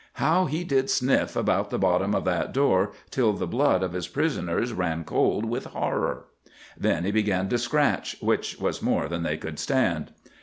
"How he did sniff about the bottom of that door till the blood of his prisoners ran cold with horror! Then he began to scratch, which was more than they could stand.